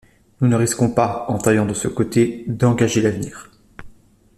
Nous ne risquons pas, en taillant de ce côté, d’engager l’avenir!